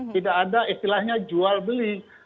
tidak ada istilahnya jual beli